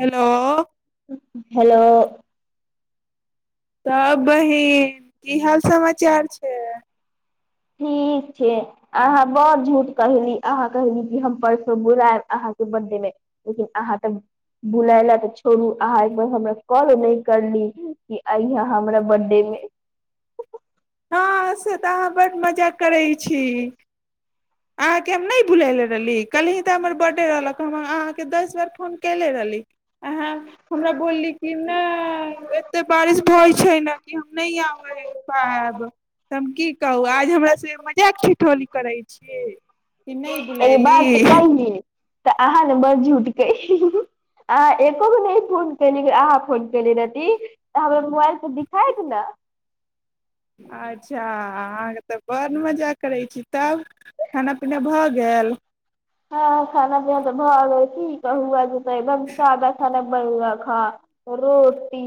hello hello सभ बहिन की हाल समाचार छै ठीक छै अहाँ बड़ झूठ कहली अहाँ कहली कि हम परसो बुलायब अहाँके बर्थडेमे लेकिन अहाँ तऽ बुलय लए तऽ छोड़ू अहाँ एकबार हमरा कॉल नहि करली कि अइहा हमरा बर्थडे मे हँ से तऽ अहाँ बड्ड मजा करै छी अहाँकेँ हम नहि बुलयले रहली कहलहीँ तऽ हमर बर्थडे रहलक हम अहाँके दस बेार फोन कयनेे रहली अह हमरा बोलली कि नहि एतेक बारिश होइत छै ने कि हम नहि आबै पायब तऽ हम की कहू आज हमर से मजाक छीिठौली करैत एहि बात कली तऽ अहाँ ने बड़ झूठके अहाँ एको गो नहि फोन कली अहाँ फोन कली रहती तऽ हमर मोबाइल पर दिखाायत ने अच्छा अहाँके तऽ बड्ड मजा करैत छी तब खाना पीना भऽ गेल हँ खाना पीना तऽ भाव आगै की कहू आगू एकदम साधा साधा बनल हँ रोटी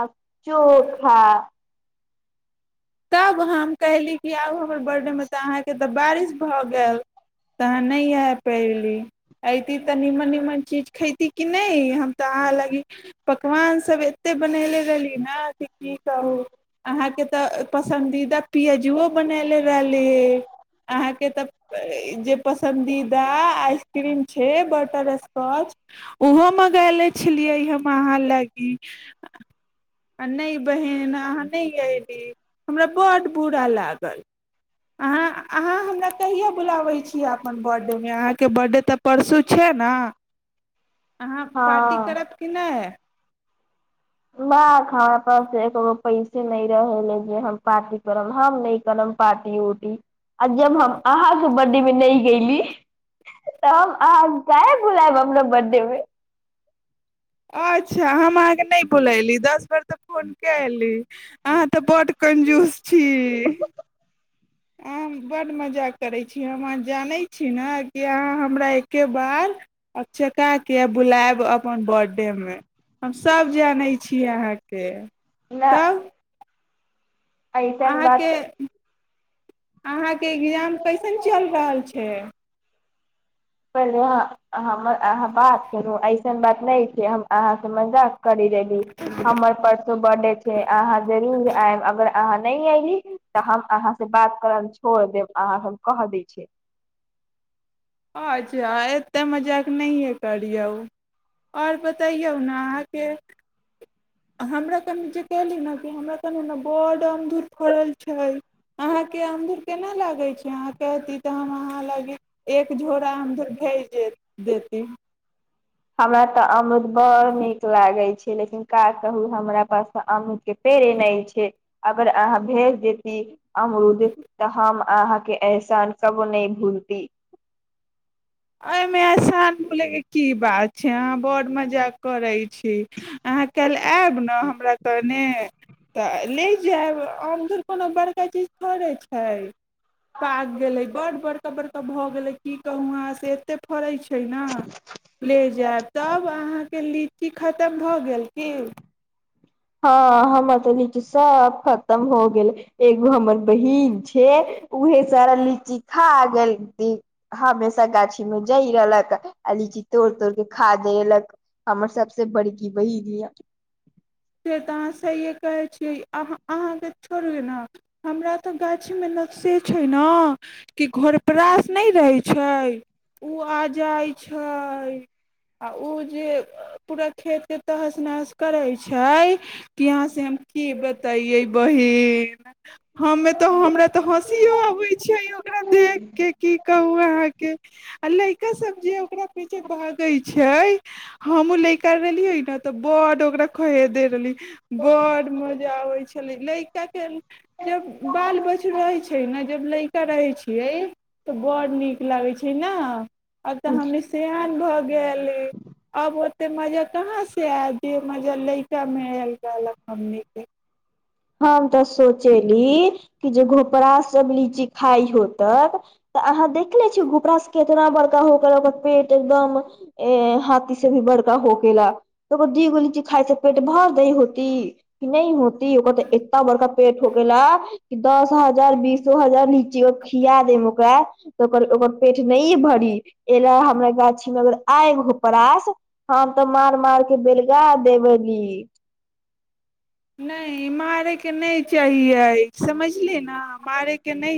अ चोखा तब हम कहली कि आउ हमर बर्थडेमे तऽ अहाँके तऽ बारिश भऽ गेल तऽ अहाँ नहि आए पयली अयती तऽ नीमन निीमन चीज खयती कि नहि हम तऽ अहाँ लागी पकवानसभ एतेक बनेले रहली ने कि की कहू अहाँके तऽ पसन्दीदा पआाजुओ बनाले रहलिय अहाँके तऽ जे पसन्दीदा आइसक्रीम छै बटर स्कॉच ओहो मङ्गाए लने छलियै हम अहाँ लागी आ नहि बहन अहाँ नहि अ अयली हमरा बड्ड बुरा लागल अहाँ अहाँ हमरा कहियो बुलाबे छीियै अपन बर्थडे मे अहाँके बर्थडे तऽ परसू छै ने अहाँ पार्टी हँ करब कि नहि ब हमरा पास एको पैसे नहि रहे ल जे हम पार्टी करब हम नहि करब पार्टी उर्टी आ जब हम अहाँके बडी मे नहि गयली तऽ हम अह क बुलायब हमरा बर्थडे मे अच्छा हम अहाँकेँ नहि बुलयली दस बेर तऽ फोन क अयली अहाँ तऽ बड कंजूस छी अह बड्ड मजा करैत छी हम अहाँ जानैत छी ने कि अहाँ हमरा एक्े बार अचकाके बुलायब अपन बर्थडेमे हमसभ जानैत छी अहाँके नहि तब अहाँके अहाँके एग्जाम कैसन चलि रहल छै परल अहाँ बात करूऐ एसन बात नहि छै हम अहाँसँ मजाक करी देली हमर परसो बर्डे छै अहाँ जरूर आयब अगर अहाँ नहि अली तऽ हम अहाँ से बात करब छोड़ देब अहाँ हम कह दै छी अच्छा एतेक मजाक नहियए करियौ आओर बताइयए उ आहाँ क हमरा तऽ जे कहली ने कि हमरा ने बड अमदुर फड़ल छै अहा के अमदुर केना लागे छै ाँ केती तऽ हमहाँ ले एक झोराा हमर भेज दे देती हमरा तऽ अमरुद बड़ नीक लागै छै लेकिन कााज कहू हमरा पास तऽ अमरुदके पेड़े नहि छै अगर अहाँ भेज देती अमरुद तऽ हम अहाँके ऐसन कबो नहि भूलती एहिमे एहसान बोलेके की बात छै अहाँ बड़ मजा करैत छी अहाँ क् आयब ने नहि हमरा तऽने तऽ ले जायब आम तोर कोनो बड़का चीज थोड़े छै पाग गेलै बड बड़का बड़का भऽ गेलै की कआ से एते फड़ै छै छै ने ले जायब तब अहाँके लि क खतम भए गेल कीन हँ हम तऽ नच सब खतम हो गेल एगो हमर बहिन छै उहे सारा लीची खा गेल हमेशा गाछी में जय रहलक आ लीची तोड़ तोड़ के खा देेलक हमर सबसे बड़की बहिन य से तऽ अहाँ से कहैत छियै अहाँ अहाँके छोड़िये ने हमरा तऽ गाछीमे न से छै ने कि घरपरास नहि रहैत छै ओ आ जाइत छै आ ओ जे पूरा खेतके तहस नहस करैत छै छै यहाँ से हम की बताये बहिन हमे तऽ हमरा तऽ हँसियो अबैत छै ओकरा देख के कि कहु अहाँके आ लड़का सब जे ओकरा पीछे भागे छै हमहुँ लैका रहलिय ने तऽ बड ओकरा खो द रहली बड़ मजा अबै छलै लड़काके जब बाल बच्च रहै छै ने जब लड़का रहै छियै तऽ बड़ नीक लागै छै ने अब तऽ हमनी सियान भऽ गेली अब त मजा कहाँ से आय दिय म लैका मेलल हम के हम तऽ सोचेली कि जे घोपड़ा सब लीची खाई होतक तऽ अहाँ देख ले छीिय घोपड़ा से केितना बड़का हो गेला ओकर पेट एकदम हाथी से भी बड़का हो गेला ओकर दी गो लीची खााय से पेट भर द होती नहि होती इतना बड़का पेट ठोकला दस हजार बीसो हजार लीची खिया देम ओकरा तऽ ओ ओकर पेट नहि भरी एहि ल हमरा गाछी मे अगर आयगो पास हम तऽ मार मार के बेलगा देबेली नहि मारयके नहि चाहियै समझलिय ने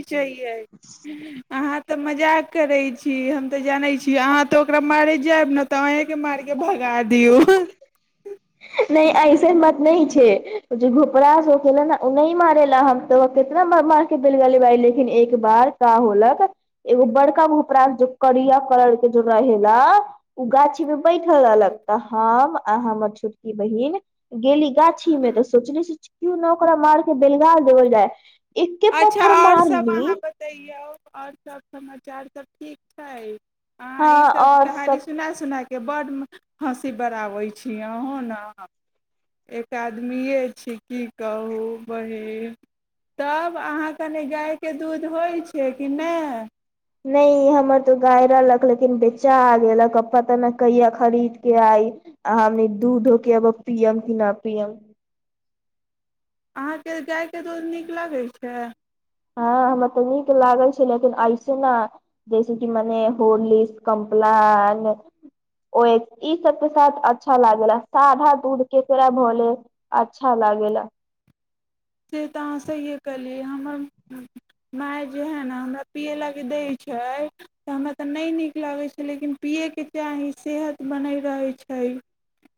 [unintelligible] तऽ मजाक करे छी हम ते जाने छी आहां तो ओकरा मारे जायब ने ते अहें के मार के भगा दे दऔ नहि ऐसन मत नहि छै जे घोपरास गेले ने ओ नहि मारेला हम तो कितना ब मार के बेल गेलीाय लेकिन एक बार का होलक एगो बड़का घोपरास जो करिया कलर के जो रहेला ओ गाछी मे बैठल रहलक तऽ हम आ हमर छो बहिन गेली गाछी में तऽ सोचली क्यू न ओकरा मार के बेलगाल देबल जाय एके अच्छा पत्थर आओर सब मारली अहाँ बतैयए आओर सब समाचार सब ठीक छै अह हँ ईसभ और कह कहानी सब सुना सुना क के बड्ड हँसी बड़बै छी अहूँ ने एक आदमिए छी की कहू बहीन तब अहाँ के ने जाय के दूध होइ छै कि नहि हँ नहि हमर तऽ गाय रहलक लेकिन बेचा आ गेलक आ पता ने कहिया खरीद के आई आ हम दू धो केब पियब कि नहि पियब अहाँके जाायके दूध नीक लगैत छै हँ हमरा तऽ नीक लागल छै लेकिन ऐसे ने जैस किी मने होॉर्लिकस कम्पलान ओ ई सबके साथ अच्छा लागेला सधा दूध के केरा भऽले अच्छा लागेेला से तऽ अहाँ सहिए कहलीै हमर माय जे हइ ने हमरा पियै लाग दैत छै तऽ हमरा तऽ नहि नीक लागैत छै लेकिन पियैके चाह सेहत बन रहैत छै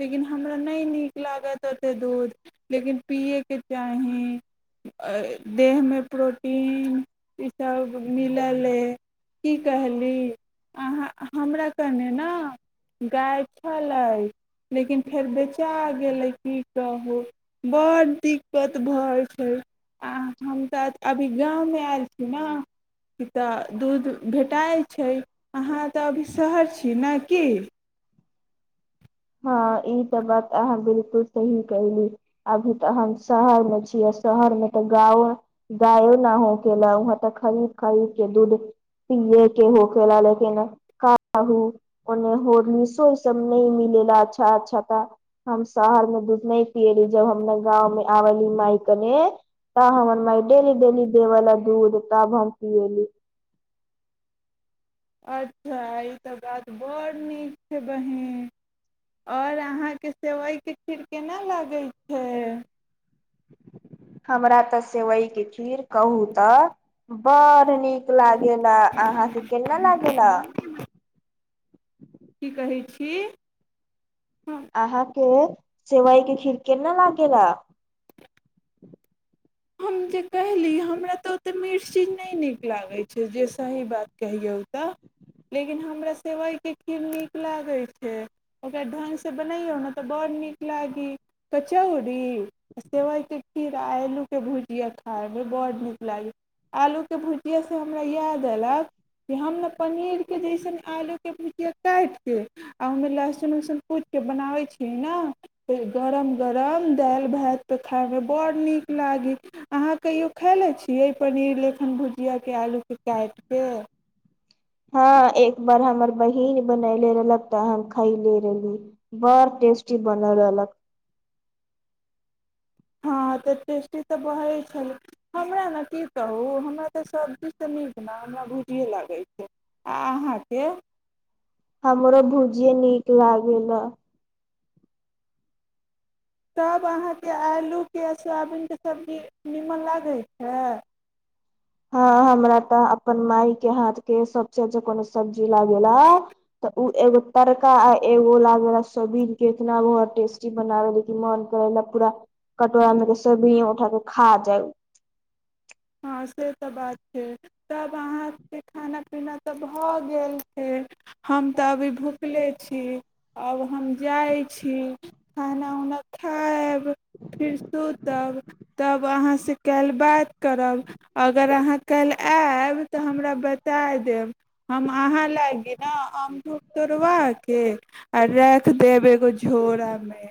लेकिन हमरा नहि नीक लागत ओतेक दूध लेकिन पियैके चाह देहमे प्रोटीन ई सब मिलल की कहली अहाँ हमरा कने ने गाय छलै लेकिन फेर बेचा गेलै की कहू बड़ दिकक दिक्कत भऽ जाइ छै आ हम तऽ अभी गाँवमे आयल छी ने कि तऽ दूध भेटाइ छै अहाँ तऽ अभी शहर छी ने कि हँ ई तऽ बात अहाँ बिलकुल सही कली अभी तऽ हमह शहर मे छीिय आ शहर मे तऽ गाो गायो न हो केला वहाँ ते खरीद खरीद के दूध पियए के हो केला लेकिन काहू ओन्ने होलसो ई सब नहि मिल अच्छा अच्छा ता हम शहर मे दूध नहि पियली जब हम गाँवं आबली मााय कने तब हमर मााय डेली डेली देवलाा दूध तब हम पिली अच्छा ई तऽ बात बड़ नीक छै बहीन आओर अहाँके सेवइके खीर केना लागै छै हमरा तऽ सेवइके खीर कहू तऽ बड़ नीक लागेला अहााँके केना लागेल की कहै छी हम अहाँके सेवइ के खिड़के नहि लागेल ह हम जे कहली हमरा तऽ ओतेक मिर्चीज नहि नीक लागैत छै जे सही बात कहियौ तय लेकिन हमरा सेवइके खीर नीक लागैत छै ओकरा ढङ्गसँ बनैयौ ने तऽ बडड़ नीक लागी कचौड़ी आ सेवइके खीर आ आलू के भुजिया खाायमे बड़ नीक लागै आलूके भुजिआ से हमरा याद अयलक कि हम ने पनीरके जैसन आलूके भुजिया काटिके आओ ओहिमे लहसुन उहसुन पुटिके बनाबै छी ने गरम गरम दालि भातपर खाइमे बड़ नीक लागी अहाँ कहियो खायले छियै पनीर लखन भुजियाके आलूके काटि कऽ हँ एक बार हमर बहिन बनले रहलक तऽ हम खैले रहली बड़ टेस्टी बनल रहलक हँ तऽ टेस्टी तऽ बढ़ै छलै हमरा ने की कहू हमरा तऽ सबजीसँ नीक ने हमरा भुजिए लागै छै आ अहाँके हमरो भुजिये नीक लागे तब अहाँके आलूके साबुनके सब्जी नीमन लागैत छै हँ हमरा तऽ अपन मााय के हाथ के सबच जे कोनो सब्जी ज ल ग तऽ उ एगो तड़का आ एगो ल सोबीर के इतना बत टेस्टी बनावे ले क मन करे ल पूरा कटोरा मे के सब उठा के खा जाय हँ से तऽ बात तब अहाँके खाना पीना तऽ भऽ गेल छै हम तऽ अभी भुखले छी आब हम जाइत छी खाना उना खायब फरस तब त अहाँ से कएल बात क करब अगर अहाँ काल्हि आएब तऽ हमरा बता देब हम अहाँ लागिी ने आमधूप तोड़बाके आ राखि देब एगो झोरामे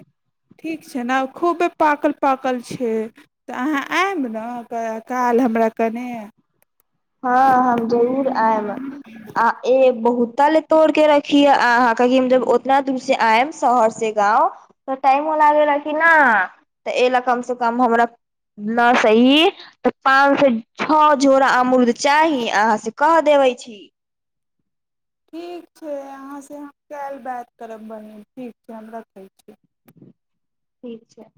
ठीक छै ने खूबे पाकल पाकल छै तऽ अहाँ आएब ने क काल हमरा कनि हँ हम जरूर आएब आ ए बहुत ल तोड़ के रखी अह हम ज ओतना दूर से आयब शहर से गा त टाइमो लागेा ने तऽ ए ल कम से कम हमरा न सी पाँच से छओ झोराम चाही अहाँ से क देबै छी ठीक छै अहाँसँ हम काल्हि बात करब बहीन ठीक छै हम रखैत छी ठीक छै